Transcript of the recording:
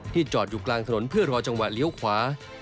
จอดอยู่กลางถนนเพื่อรอจังหวะเลี้ยวขวา